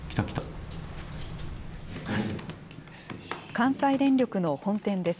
関西電力の本店です。